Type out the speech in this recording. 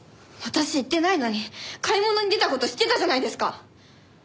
私言ってないのに買い物に出た事知ってたじゃないですか！